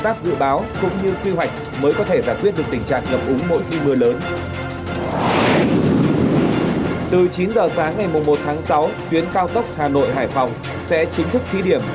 từ chín giờ sáng ngày một tháng sáu tuyến cao tốc hà nội hải phòng sẽ chính thức thí điểm